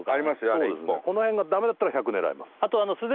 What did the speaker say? あれ１本この辺がダメだったら１００狙います